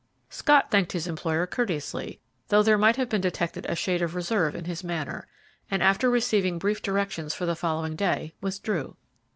Scott thanked his employer courteously, though there might have been detected a shade of reserve in his manner, and, after receiving brief directions for the following day, withdrew.